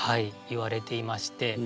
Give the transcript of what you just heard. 言われていまして。